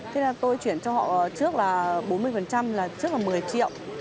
thế là tôi chuyển cho họ trước là bốn mươi là trước là một mươi triệu